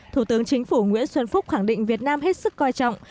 thủ tướng chính phủ nguyễn xuân phúc khẳng định việt nam hết sức coi trọng